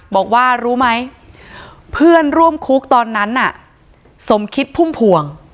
บอกว่ารู้ไหมเพื่อนร่วมคุกตอนนั้นน่ะสมคิดพุ่มพวง